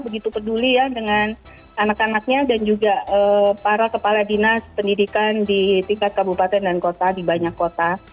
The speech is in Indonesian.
begitu peduli ya dengan anak anaknya dan juga para kepala dinas pendidikan di tingkat kabupaten dan kota di banyak kota